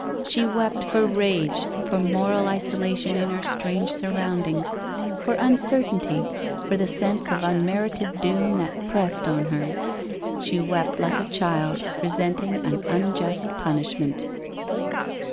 She wept for rage, for moral isolation in her strange surroundings, for uncertainty, for the sense of unmerited doom that pressed on her. She wept like a child resenting an unjust punishment.